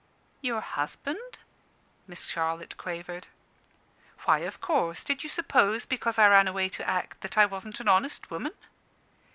"Your husband?" Miss Charlotte quavered. "Why, of course. Did you suppose, because I ran away to act, that I wasn't an honest woman?"